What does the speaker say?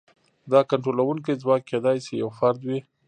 دا کنټرولونکی ځواک کېدای شي یو فرد وي.